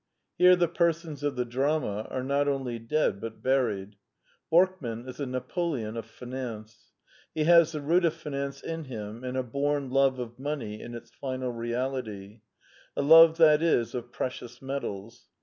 Here the persons of the drama are not only dead but buried. Borkman is a Napoleon of finance. He has the root of finance in him in a born love of money in its final reality: a love, that is, of pre cious metals.